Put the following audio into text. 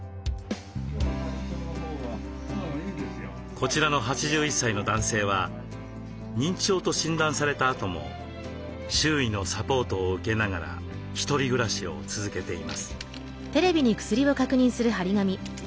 こちらの８１歳の男性は認知症と診断されたあとも周囲のサポートを受けながら一人暮らしを続けています。